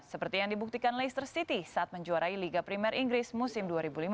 seperti yang dibuktikan leicester city saat menjuarai liga primer inggris musim dua ribu lima belas dua ribu enam belas